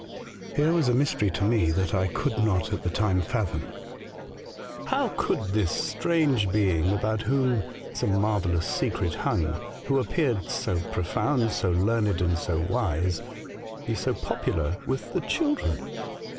*' Here was a mystery to me that I could not at the time fathom. How could this strange being, — about whom some marvellous secret hung, — who appeared so profound, so learned, and so wise, — be so popular with the children